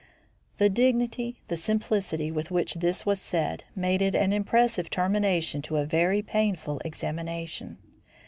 The dignity, the simplicity, with which this was said made it an impressive termination to a very painful examination.